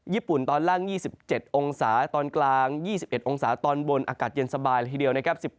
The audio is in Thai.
ญี่ปุ่นตอนล่าง๒๗องศาเซลเซียตตอนกลาง๒๑องศาเซียตตอนบนอากาศเย็นสบายละทีเดียวนะครับ